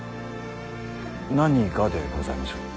何がでございましょう。